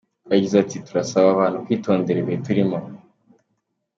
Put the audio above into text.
Yagize ati “Turasaba abantu kwitondera ibihe turimo .